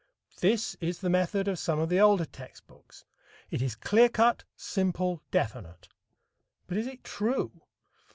This is the method of some of the older text books. It is clear cut, simple, definite. But is it true?